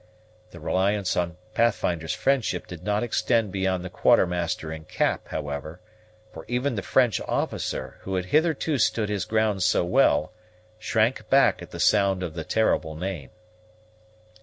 The reliance on Pathfinder's friendship did not extend beyond the Quartermaster and Cap, however, for even the French officer, who had hitherto stood his ground so well, shrank back at the sound of the terrible name.